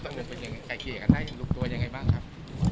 เงินเป็นยังไงใครเคลียร์กันได้ลุงตัวยังไงบ้างครับ